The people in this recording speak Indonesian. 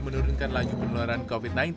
menurunkan laju penularan covid sembilan belas